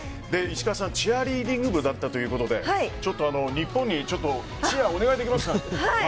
石川さんチアリーディング部だったということで日本にチアをお願いできますか？